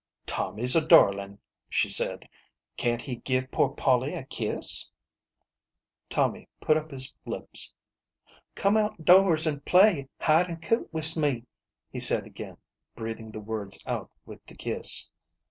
" Tommy's a darlin'," she said ; fc< can't he give poor Polly a kiss ?" Tommy put up his lips. "Come out doors an' play hide an' coot wis me," he said again, breathing the words out with the kiss.